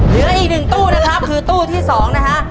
เหลืออีกหนึ่งตู้นะครับคือตู้ที่๒นะฮะ